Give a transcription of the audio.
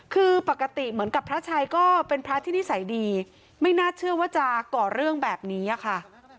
คือปกติเหมือนกับพระชัยก็เป็นพระที่นิสัยดีไม่น่าเชื่อว่าจะก่อเรื่องแบบนี้ค่ะ